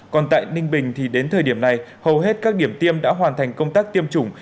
còn tại ninh bình thì đến thời điểm này hầu hết các điểm tiêm đã hoàn thành công tác tiêm chủng